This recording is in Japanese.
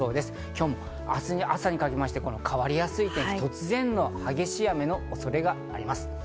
今日も明日朝にかけて、変わりやすい天気、激しい雨の恐れがあります。